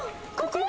ここ？